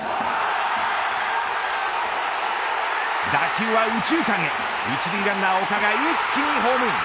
打球は右中間へ１塁ランナーが一気にホームイン。